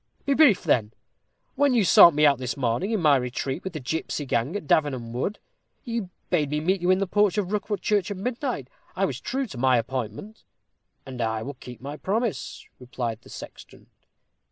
"Be brief, then. When you sought me out this morning, in my retreat with the gipsy gang at Davenham Wood, you bade me meet you in the porch of Rookwood Church at midnight. I was true to my appointment." "And I will keep my promise," replied the sexton.